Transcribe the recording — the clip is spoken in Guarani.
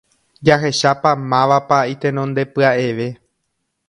jahechápa mávapa itenondepya'eve